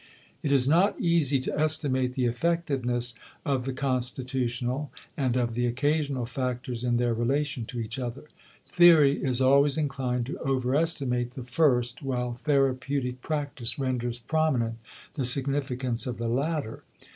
It is not easy to estimate the effectiveness of the constitutional and of the occasional factors in their relation to each other. Theory is always inclined to overestimate the first while therapeutic practice renders prominent the significance of the latter.